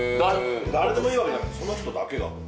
誰でもいいわけじゃなくてその人だけだろ？